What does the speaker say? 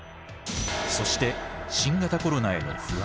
そして新型コロナへの不安。